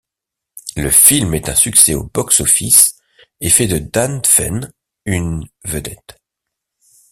Le film est un succès au box-office et fait de Danfeng une vedette.